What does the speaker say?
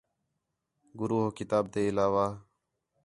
گُرو ہو کتاب تے علاوہ